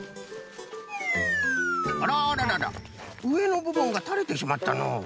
あらあらららうえのぶぶんがたれてしまったのう。